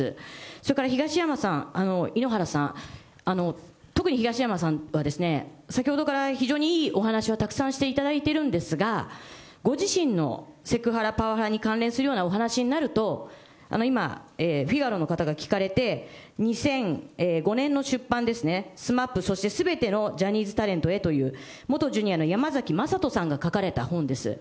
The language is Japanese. それから東山さん、井ノ原さん、特に東山さんはですね、先ほどから非常にいいお話はたくさんしていただいてるんですが、ご自身のセクハラ、パワハラに関連するようなお話になると、今、フィガロの方が聞かれて、２００５年の出版ですね、ＳＭＡＰ、そしてすべてのジャニーズタレントへという、元ジュニアのやまざきまさとさんが書かれた本です。